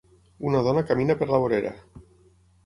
Una dona camina per la vorera